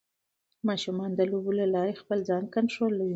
ماشومان د لوبو له لارې خپل ځان کنټرولوي.